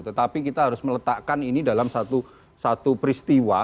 tetapi kita harus meletakkan ini dalam satu peristiwa